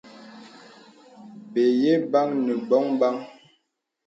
Bəyìɛ bən nə bɔ̄n bən.